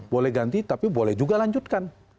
boleh ganti tapi boleh juga lanjutkan